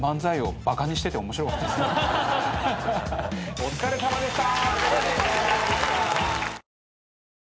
お疲れさまでした。